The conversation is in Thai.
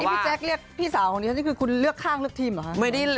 พี่แจ๊คเรียกพี่สาวของดิฉันนี่คือคุณเลือกข้างเลือกทีมเหรอคะ